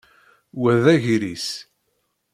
Wa d agris.